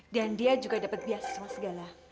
dan dia juga dapat biasiswa segala